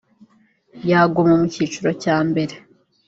yaguma mu kiciro cya mbere